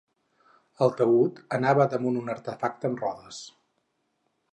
El taüt anava damunt un artefacte amb rodes.